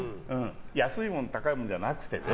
安いもの、高いものじゃなくてね。